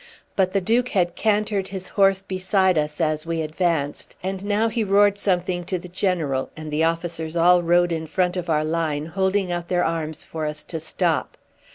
But the Duke had cantered his horse beside us as we advanced, and now he roared something to the general, and the officers all rode in front of our line holding out their arms for us to stop.